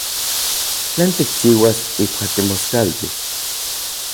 ¿Tlen tikchiuas ijkuak timoskaltis?